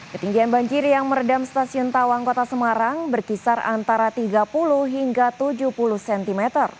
ketinggian banjir yang merendam stasiun tawang kota semarang berkisar antara tiga puluh hingga tujuh puluh cm